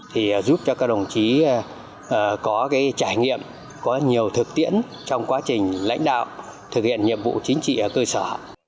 thì giúp cho các đồng chí có cái trải nghiệm có nhiều thực tiễn trong quá trình lãnh đạo thực hiện nhiệm vụ chính trị ở cơ sở